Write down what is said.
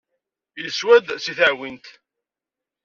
Yeswa-d seg teɛwint.